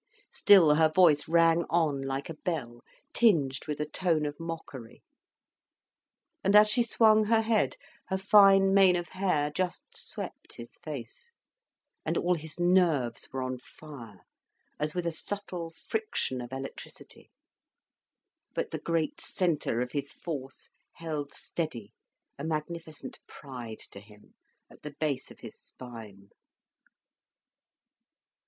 Still her voice rang on like a bell, tinged with a tone of mockery. And as she swung her head, her fine mane of hair just swept his face, and all his nerves were on fire, as with a subtle friction of electricity. But the great centre of his force held steady, a magnificent pride to him, at the base of his spine.